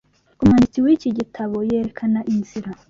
umwanditsi w’iki gitabo yerekana inzira